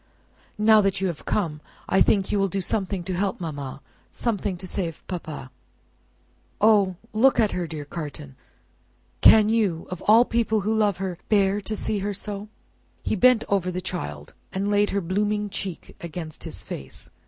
"Now that you have come, I think you will do something to help mamma, something to save papa! O, look at her, dear Carton! Can you, of all the people who love her, bear to see her so?" He bent over the child, and laid her blooming cheek against his face.